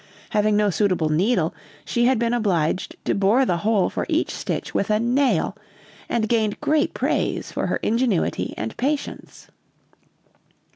Having no suitable needle, she had been obliged to bore the hole for each stitch with a nail, and gained great praise for her ingenuity and patience.